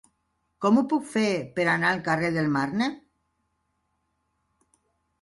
Com ho puc fer per anar al carrer del Marne?